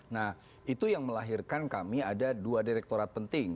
nah itu yang melahirkan kami ada dua direktorat penting